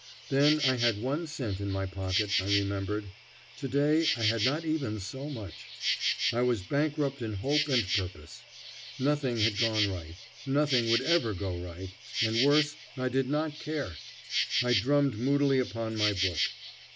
Then I had one cent in my pocket, I remembered. Today I had not even so much. I was bankrupt in hope and purpose. Nothing had gone right; nothing would ever go right; and, worse, I did not care. I drummed moodily upon my book.